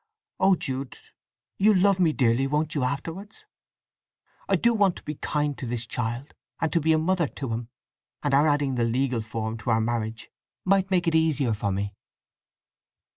Oh Jude, you'll love me dearly, won't you, afterwards? I do want to be kind to this child, and to be a mother to him; and our adding the legal form to our marriage might make it easier for me."